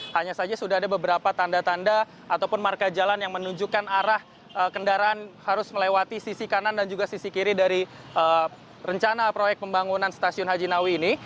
hanya saja sudah ada beberapa tanda tanda ataupun marka jalan yang menunjukkan arah kendaraan harus melewati sisi kanan dan juga sisi kiri dari rencana proyek pembangunan stasiun haji nawi ini